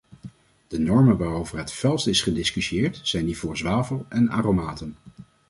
De normen waarover het felst is gediscussieerd zijn die voor zwavel en aromaten.